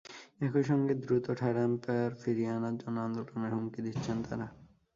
একই সঙ্গে দ্রুত থার্ড আম্পায়ার ফিরিয়ে আনার জন্য আন্দোলনের হুমকি দিচ্ছেন তাঁরা।